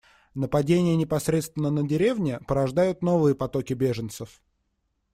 Нападения непосредственно на деревни порождают новые потоки беженцев.